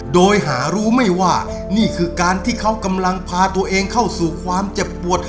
โดยหารู้ไม่ว่านี่คือการที่เขากำลังพาตัวเองเข้าสู่ความเจ็บปวด